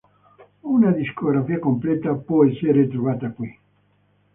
Una discografia completa può essere trovata qui.